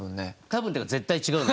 多分っていうか絶対違う。